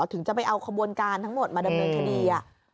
ถึงจะไปเอาขบวนการทั้งหมดมาดำเนินคดี